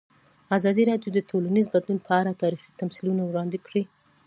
ازادي راډیو د ټولنیز بدلون په اړه تاریخي تمثیلونه وړاندې کړي.